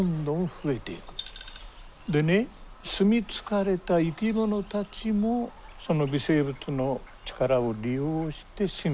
でね住み着かれた生き物たちもその微生物の力を利用して進化していくんですね。